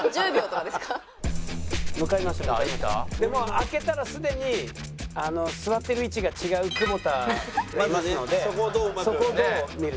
開けたらすでに座ってる位置が違う久保田がいますのでそこをどう見る。